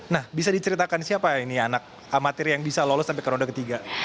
nah bisa diceritakan siapa ini anak amatir yang bisa lolos sampai ke ronde ketiga